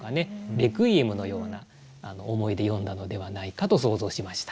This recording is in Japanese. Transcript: レクイエムのような思いで詠んだのではないかと想像しました。